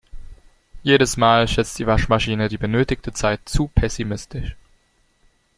Jedes Mal schätzt die Waschmaschine die benötigte Zeit zu pessimistisch.